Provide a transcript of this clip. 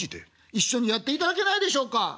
「一緒にやっていただけないでしょうか」。